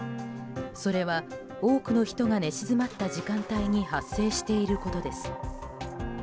それは多くの人が寝静まった時間帯に発生していることです。